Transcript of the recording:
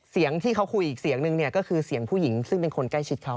เสียงที่เขาคุยอีกเสียงนึงเนี่ยก็คือเสียงผู้หญิงซึ่งเป็นคนใกล้ชิดเขา